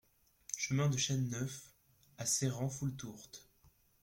Chemin de Chêne Neuf à Cérans-Foulletourte